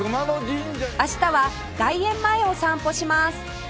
明日は外苑前を散歩します